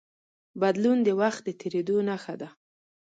بدلون د وخت د تېرېدو نښه ده.